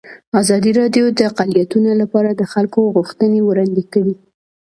ازادي راډیو د اقلیتونه لپاره د خلکو غوښتنې وړاندې کړي.